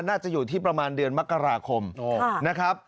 น่าจะอยู่ที่ประมาณเดือนมกราคมนะครับ